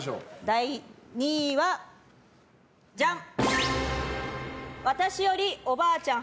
第２位はジャン。